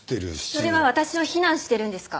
それは私を非難してるんですか？